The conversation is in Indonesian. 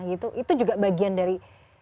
itu juga bagian dari